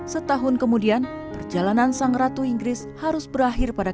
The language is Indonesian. setahun kemudian perjalanan sang ratu inggris harus berakhir pada